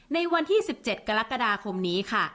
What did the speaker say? ในวันที่๑๗กรกฎาคมนี้ค่ะ